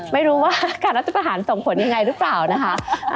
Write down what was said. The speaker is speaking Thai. ไม่รู้ว่าการรัฐประหารส่งผลยังไงหรือเปล่านะคะ